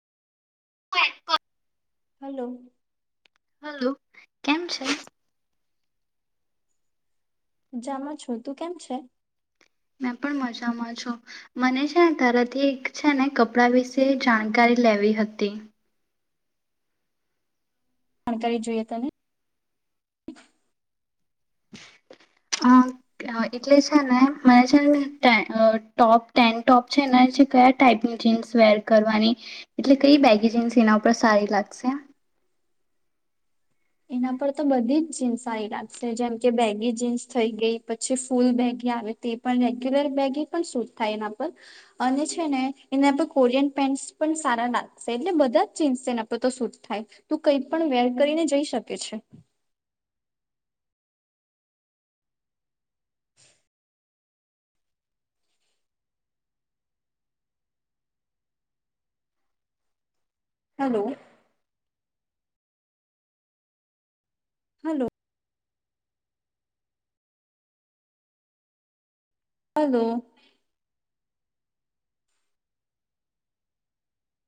[unintelligible] કર hello hello કેમ છે જામાં છુ તું કેમ છે મેં પણ મજામાં છું મને છેને તરાથી એક છે ને કપડા વિશે જાણકારી લેવી હતી જાણકારી જોઈએ તને અ એટલે છે ને મને છે ને ટોપ ટેન ટોપ છે ને જે કયા ટાઈપની જીન્સ વેર કરવાની એટલે કઈ બેગી જીન્સ એના પરર સારી લાગશે એના પર તો બધી જ જીન્સ સારી લાગશે જેમ કે બેગી જીન્સ થઈ ગઈ પછી ફૂલ બેગી આવે તે પણ રેગ્યુલર બેગી પણ શૂટ થાય એના પર અને છે ને એના પર કોરિયન પેન્ટ્સ પણ સારા લાગશે એટલે બધા જ જીન્સ એના પર તો શૂટ થાય તું કઈ પણ વેર કરીને જઈ શક કે છું [inaudible] હલો હલો હાલો